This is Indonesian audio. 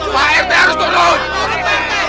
pak rt harus turun